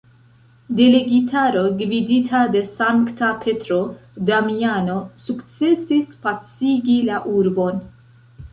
Delegitaro, gvidita de sankta Petro Damiano sukcesis pacigi la urbon.